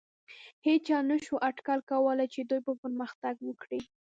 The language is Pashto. هېچا نهشو اټکل کولی، چې دوی به پرمختګ وکړي.